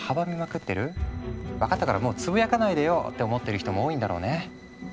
「分かったからもうつぶやかないでよ！」って思ってる人も多いんだろうね。